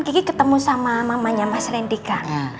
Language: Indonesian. gigi ketemu sama mamanya mas rendy kan